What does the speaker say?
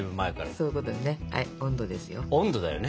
そういうことよね。